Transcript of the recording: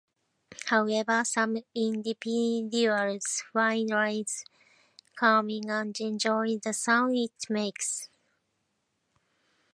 However, some individuals find rain calming and enjoy the sound it makes.